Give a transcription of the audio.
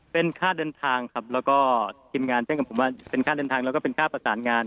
เป็นค่าเดินทางครับแล้วก็ทีมงานแจ้งกับผมว่าเป็นค่าเดินทางแล้วก็เป็นค่าประสานงาน